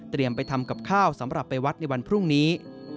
ไปทำกับข้าวสำหรับไปวัดในวันพรุ่งนี้